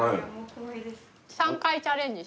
３回チャレンジ。